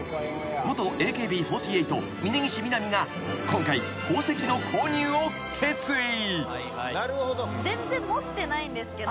［元ＡＫＢ４８峯岸みなみが今回宝石の購入を決意］